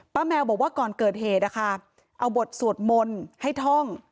แมวบอกว่าก่อนเกิดเหตุนะคะเอาบทสวดมนต์ให้ท่อง